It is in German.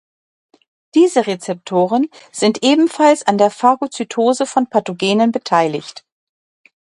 Diese Rezeptoren sind ebenfalls an der Phagozytose von Pathogenen beteiligt.